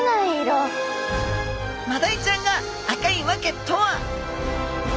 マダイちゃんが赤いわけとは！？